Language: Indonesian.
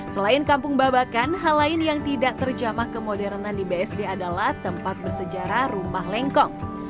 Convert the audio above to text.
selain kampung babakan hal lain yang tidak terjamah kemodernan di bsd adalah tempat bersejarah rumah lengkong